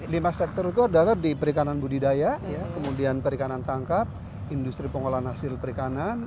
lima sektor itu adalah di perikanan budidaya kemudian perikanan tangkap industri pengolahan hasil perikanan